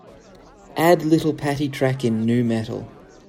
add little pattie track in Nu Metal